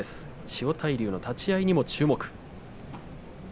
千代大龍の立ち合いに注目です。